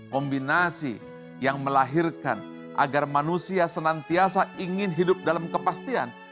kombinasi yang melahirkan agar manusia senantiasa ingin hidup dalam kepastian